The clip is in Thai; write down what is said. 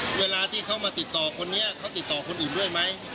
เวลาที่เขามาติดต่อคนนี้เขาติดต่อคนอื่นด้วยไหม